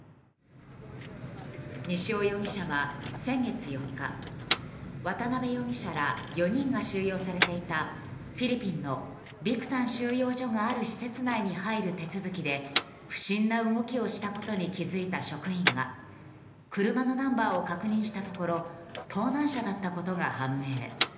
西尾容疑者は先月４日渡邉容疑者ら４人が収容されていたフィリピンのビクタン収容所がある施設内に入る手続きで不審な動きをしたことに気づいた職員が車のナンバーを確認したところ盗難車だったことが判明。